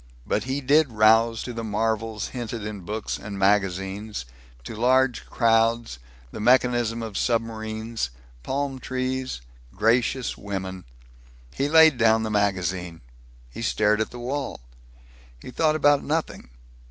But he did rouse to the marvels hinted in books and magazines; to large crowds, the mechanism of submarines, palm trees, gracious women. He laid down the magazine. He stared at the wall. He thought about nothing.